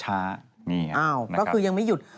ก็คือยังไม่หยุด